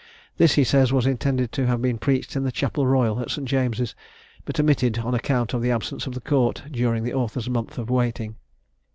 This, he says, was intended to have been preached at the Chapel royal, at St. James's; but omitted on account of the absence of the court, during the author's month of waiting.